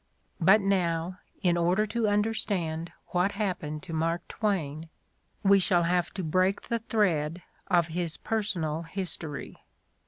But now, in order to understand what happened to Mark Twain, we shall have to break the thread of his personal history.